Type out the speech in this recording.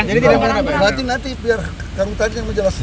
nanti nanti biar kamu tadi yang menjelaskan